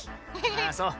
ああそう。